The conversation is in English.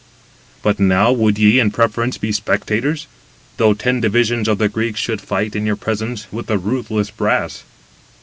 But now would ye in preference be spectators, though ten divisions of the Greeks should fight in your presence with the ruthless brass."